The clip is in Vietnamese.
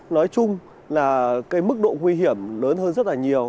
nói chung là mức độ nguy hiểm lớn hơn rất nhiều